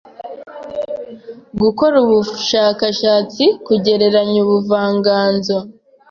gukora ubushakashatsi kugereranya ubuvanganzo